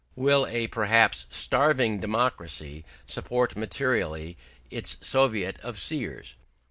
Will a perhaps starving democracy support materially its Soviet of seers?